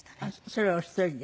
それはお一人で？